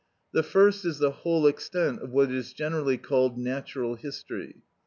The first is the whole extent of what is generally called natural history.